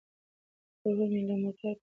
ورور مې له موټر پرته بل ځای ته نه ځي.